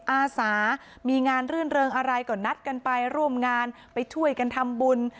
อาสามีงานรื่นเริงอะไรก็นัดกันไปร่วมงานไปช่วยกันทำบุญ